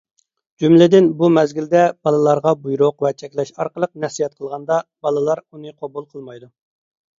جۈملىدىن، بۇ مەزگىلدە بالىلارغا بۇيرۇق ۋە چەكلەش ئارقىلىق نەسىھەت قىلغاندا بالىلار ئۇنى قوبۇل قىلمايدۇ.